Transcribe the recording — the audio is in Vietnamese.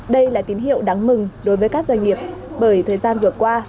đây là tín hiệu đáng mừng đối với các doanh nghiệp bởi thời gian vừa qua